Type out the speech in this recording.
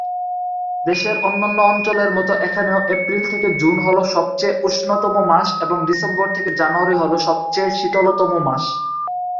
দেশের অন্যান্য অঞ্চলের মত এখানেও এপ্রিল থেকে জুন হল সবচেয়ে উষ্ণতম মাস এবং ডিসেম্বর থেকে জানুয়ারী হল সবচেয়ে শীতলতম মাস।